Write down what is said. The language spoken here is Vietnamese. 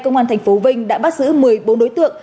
cơ quan thành phố vinh đã bắt giữ một mươi bốn đối tượng